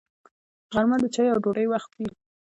غرمه د چایو او ډوډۍ وخت وي